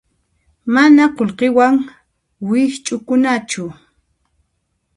Mana qullqiwan wikch'ukunachu.